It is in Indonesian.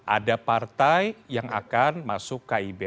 ada partai yang akan masuk kib